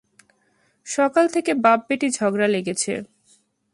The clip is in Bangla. সকাল থেকে বাপ-বেটি ঝগড়া লেগেছে।